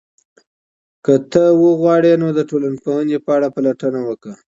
که ته وغواړې، نو د ټولنپوهنې په اړه پلټنه وکړه.